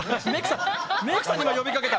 メークさんに今呼びかけた！